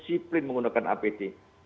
disiplin menggunakan apd